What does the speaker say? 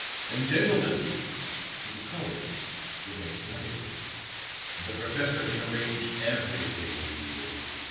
And, gentlemen," to the callers, with anxiety, "the professor can arrange everything with you.